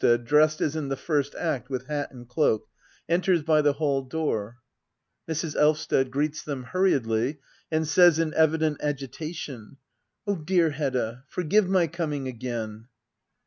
l63 Mrs. Elvsted, dressed as in the first Act, with hat and cloak, enters by the hall door, Mrs. Elvsted. [Greets them hurriedly, and says in evident agita tion,'\ Oh, dear Hedda, forgive my coming again.